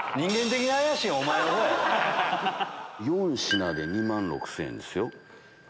４品で２万６０００円ですよ。